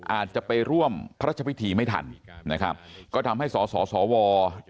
อาจจะไปร่วมพระราชพิธีไม่ทันนะครับก็ทำให้สสว